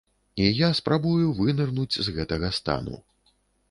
І я спрабую вынырнуць з гэтага стану.